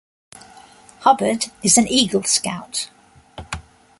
Hubbard is an Eagle Scout.